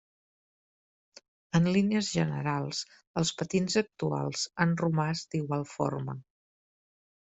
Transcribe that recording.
En línies generals els patins actuals han romàs d'igual forma.